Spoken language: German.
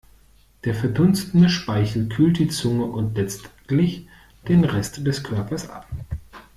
Der verdunstende Speichel kühlt die Zunge und letztlich den Rest des Körpers ab.